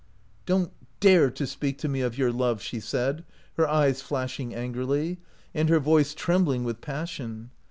" Don't dare to speak to me of your love !" she said, her eyes flashing angrily, and her voice trembling with passion.